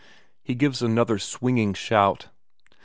He gives another swinging shout....